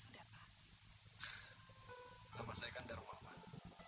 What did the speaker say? bijaksana dan terhormat